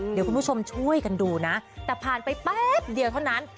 เดี๋ยวคุณผู้ชมช่วยกันดูนะแต่ผ่านไปแป๊บเดียวเท่านั้น